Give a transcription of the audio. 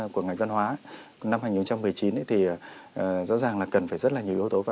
của ngành văn hóa năm hai nghìn một mươi chín thì rõ ràng là cần phải rất là nhiều yếu tố